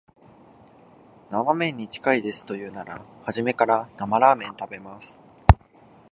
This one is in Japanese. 生めんに近いですと言うなら、初めから生ラーメン食べます